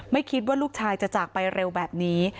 ไม่คิดว่าลูกชายจะจากไปเร็วแบบนี้